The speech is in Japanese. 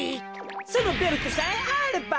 そのベルトさえあれば。